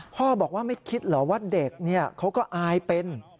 พ่อบอกว่าไม่คิดเหรอว่าเด็กเขาก็อายเป็น